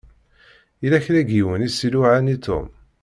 Yella kra n yiwen i s-iluɛan i Tom.